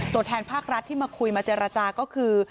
ตัวแทนภาครัฐที่มาคุยมาเจรจาก็คือ